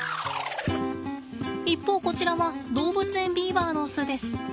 一方こちらは動物園ビーバーの巣です。